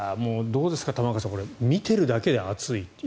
どうですか、玉川さん見ているだけで暑い。